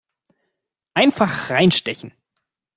Einfach reinstechen!